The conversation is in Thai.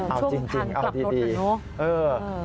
เออช่วงทางกลับรถอยู่เนอะ